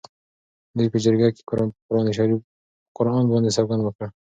دوی په جرګه کې پر قرآن باندې سوګند وکړ.